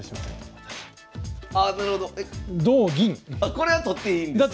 これは取っていいんですよね？